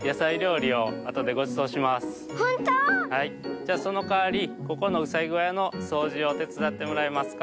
じゃそのかわりここのうさぎごやのそうじをてつだってもらえますか？